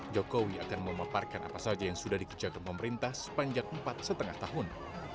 jokowi akan memaparkan apa saja yang sudah dikerjakan pemerintah sepanjang empat lima tahun